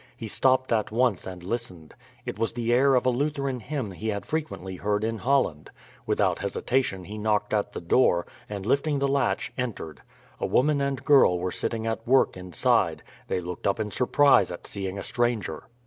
He stopped at once and listened. It was the air of a Lutheran hymn he had frequently heard in Holland. Without hesitation he knocked at the door, and lifting the latch entered. A woman and girl were sitting at work inside; they looked up in surprise at seeing a stranger.